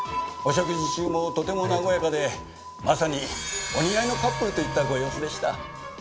お食事中もとても和やかでまさにお似合いのカップルといったご様子でした。